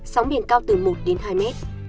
sóng biển cao từ một đến hai m